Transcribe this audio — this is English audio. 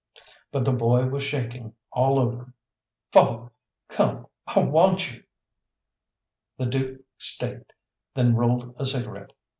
But the boy was shaking all over. "Father, come, I want you." The Dook staked, then rolled a cigarette.